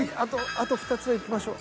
あと２つはいきましょう。